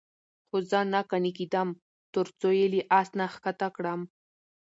خو زه نه قانع کېدم. ترڅو یې له آس نه ښکته کړم،